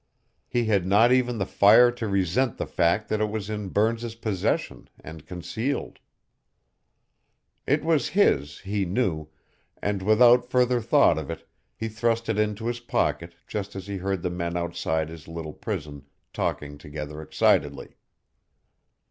He had not even the fire to resent the fact that it was in Burns's possession, and concealed. It was his, he knew, and, without further thought of it, he thrust it into his pocket just as he heard the men outside his little prison talking together excitedly.